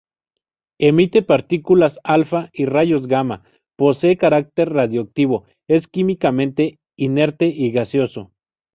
Emite partículas alfa y rayos gamma, posee carácter radiactivo, es químicamente inerte y gaseoso.